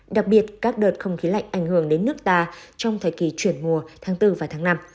đặc biệt các đợt không khí lạnh ảnh hưởng đến nước ta trong thời kỳ chuyển mùa tháng bốn và tháng năm